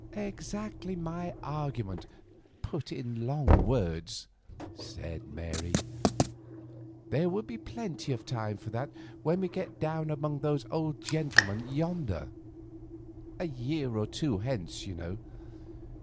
"Exactly my argument, put into long words," said Mary. "There will be plenty of time for that when we get down among those old gentlemen yonder—a year or two hence, you know.